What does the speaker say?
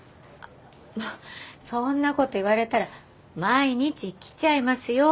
そんなこと言われたら毎日来ちゃいますよ。